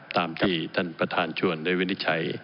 ตามที่ท่านประธานชวนได้วินิจฉัย